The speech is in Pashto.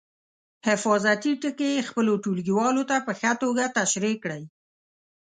حفاظتي ټکي یې خپلو ټولګیوالو ته په ښه توګه تشریح کړئ.